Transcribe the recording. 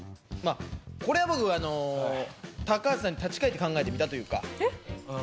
これは僕橋さんに立ち返って考えてみたというか。